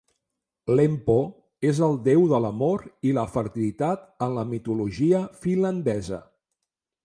Lempo és el déu de l'amor i la fertilitat en la mitologia finlandesa.